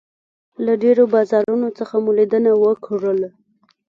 له ډېرو بازارونو څخه مو لیدنه وکړله.